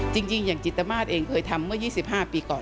จริงอย่างจิตมาสเองเคยทำเมื่อ๒๕ปีก่อน